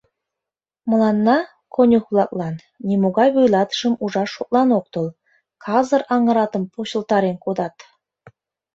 Мыланна, «конюх-влаклан», нимогай вуйлатышым ужаш шотлан ок тол, казыр аҥыратым почылтарен кодат.